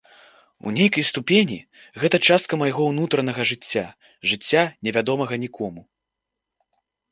У нейкай ступені, гэта частка майго ўнутранага жыцця, жыцця невядомага нікому.